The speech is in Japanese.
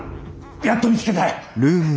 やっと見つけたよ。